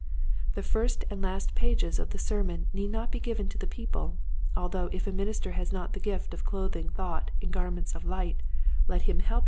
" The first and last pages of the sermon need not be given to the people, although if a minister has not the gift of clothing thought in garments of light let him help go Quiet Hints to Growing Preachers.